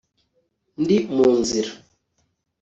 ndi mu nzira